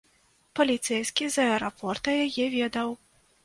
Паліцэйскі з аэрапорта яе ведаў.